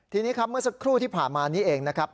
ทีนี้ครับเมื่อสักครู่ที่ผ่านมานี้เองนะครับ